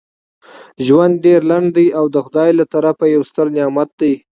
ژوند ډیر لنډ دی او دا دخدای له طرفه یو ستر نعمت دی.